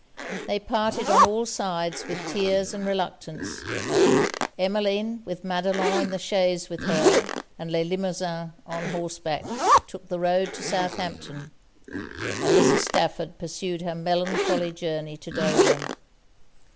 They parted on all sides with tears and reluctance Emmeline, with Madelon in the chaise with her, and Le Limosin on horseback, took the road to Southampton, and Mrs. Stafford pursued her melancholy journey to Dover.